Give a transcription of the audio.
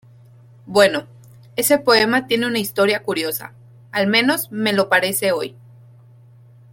Bueno, ese poema tiene una historia curiosa, al menos me lo parece hoy.